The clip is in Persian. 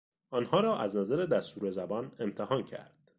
آنها را از نظر دستور زبان امتحان کرد.